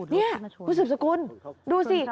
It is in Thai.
นี่ผู้สูบสกุลดูสิ